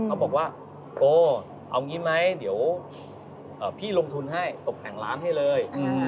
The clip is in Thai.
เขาบอกว่าโอ้เอางี้ไหมเดี๋ยวพี่ลงทุนให้ตกแต่งร้านให้เลย